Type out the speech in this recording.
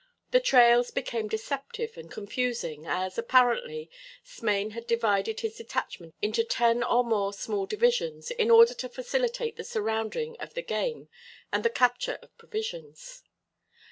The trails became deceptive and confusing, as, apparently, Smain had divided his detachment into ten or more small divisions, in order to facilitate the surrounding of the game and the capture of provisions.